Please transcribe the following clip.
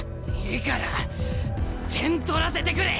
いいから点取らせてくれ。